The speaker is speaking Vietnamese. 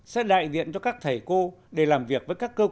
sẽ đại diện cho các thầy cô để làm việc với các cơ quan